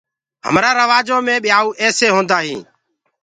همرآ روآجو مي ٻيائوُ ايسي هوندآ هينٚ